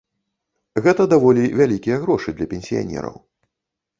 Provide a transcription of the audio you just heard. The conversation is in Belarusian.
Гэта даволі вялікія грошы для пенсіянераў.